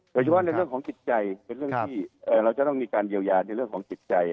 หรือว่าในเรื่องของจิตใจเราจะต้องมีการเยียวยาในเรื่องของจิตใจ